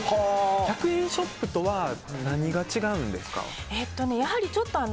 １００円ショップとは何が違うんですか？